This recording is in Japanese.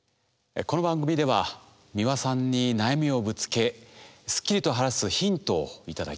この番組では美輪さんに悩みをぶつけすっきりと晴らすヒントを頂きます。